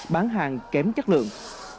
bán hàng kém chất lượng